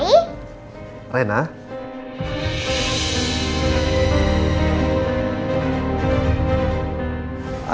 anda tidak bisa